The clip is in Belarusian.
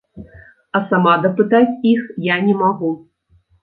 А сама дапытаць іх я не магу.